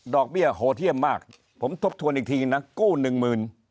เบี้ยโหดเยี่ยมมากผมทบทวนอีกทีนะกู้หนึ่งหมื่น